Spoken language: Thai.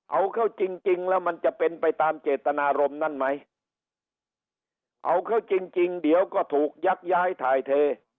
เอาเข้าจริงจริงแล้วมันจะเป็นไปตามเจตนารมณ์นั้นไหมเอาเขาจริงจริงเดี๋ยวก็ถูกยักย้ายถ่ายเท